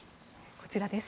こちらです。